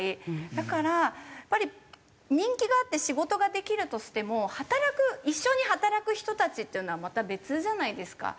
だからやっぱり人気があって仕事ができるとしても働く一緒に働く人たちっていうのはまた別じゃないですか。